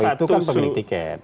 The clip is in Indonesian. kalau itu kan pemilik tiket